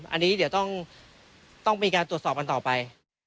อันนี้เดี๋ยวต้องมีการตรวจสอบกันต่อไป